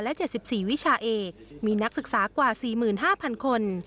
และ๗๔วิชาเอกมีนักศึกษากว่า๔๕๐๐คน